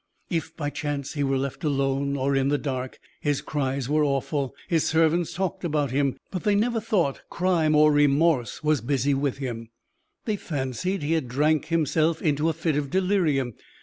If by chance he were left alone, or in the dark, his cries were awful. His servants talked about him, but they never thought crime or remorse was busy with him; they fancied he had drank himself into a fit of delirium.